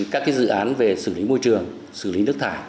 các dự án về xử lý môi trường xử lý nước thải